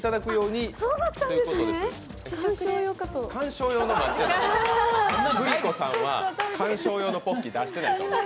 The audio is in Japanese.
観賞用かとグリコさんは観賞用のポッキー出してない。